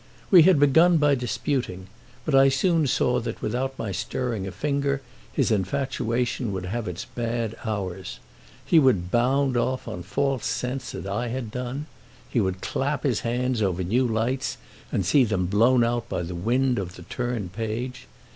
We had begun by disputing, but I soon saw that without my stirring a finger his infatuation would have its bad hours. He would bound off on false scents as I had done—he would clap his hands over new lights and see them blown out by the wind of the turned page.